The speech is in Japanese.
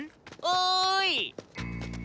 おい！